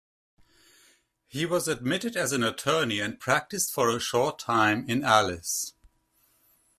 He was admitted as an attorney and practiced for a short time in Alice.